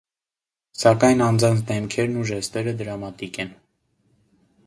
Սակայն անձանց դեմքերն ու ժեստերը դրամատիկ են։